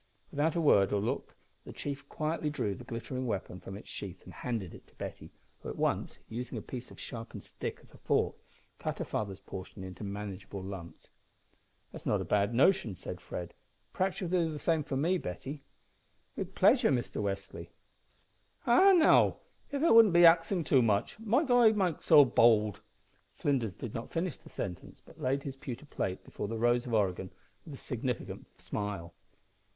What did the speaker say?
Without a word or look the chief quietly drew the glittering weapon from its sheath and handed it to Betty, who at once, using a piece of sharpened stick as a fork, cut her father's portion into manageable lumps. "That's not a bad notion," said Fred. "Perhaps you'll do the same for me, Betty." "With pleasure, Mr Westly." "Ah, now, av it wouldn't be axin' too much, might I make so bowld " Flinders did not finish the sentence, but laid his pewter plate before the Rose of Oregon with a significant smile.